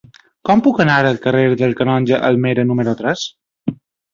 Com puc anar al carrer del Canonge Almera número tres?